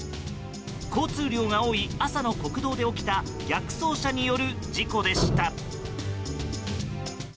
交通量が多い朝の国道で起きた逆走車による事故でした。